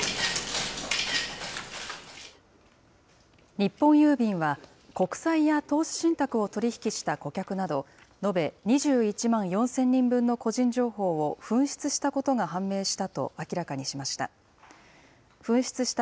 日本郵便は、国債や投資信託を取り引きした顧客など、延べ２１万４０００人分の個人情報を紛失したことが判明したと明らかにしました。